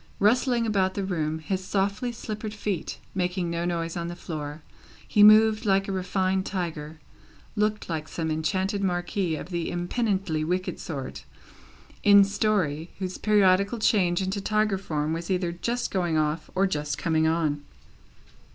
Rustling about the room, his softly slippered feet making no noise on the floor, he moved like a refined tiger: looked like some enchanted marquis of the impenitently wicked sort, in story, whose periodical change into tiger form was either just going off, or just coming on.